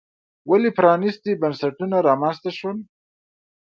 ولې پرانیستي بنسټونه رامنځته شول.